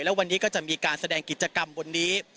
และวันนี้ก็จะมีการแสดงกิจกรรมบนนี้